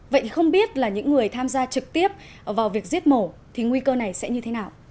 vậy không biết là những người tham gia trực tiếp vào việc giết mổ thì nguy cơ này sẽ như thế nào